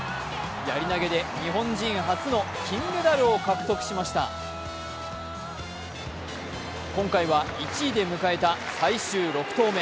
やり投げで日本人初の金メダルを獲得しました今回は１位で迎えた最終６投目。